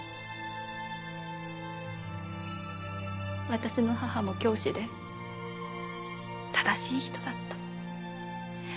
私の母も教師で正しい人だった。